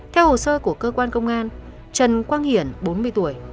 theo hồ sơ của cơ quan công an trần quang hiển bốn mươi tuổi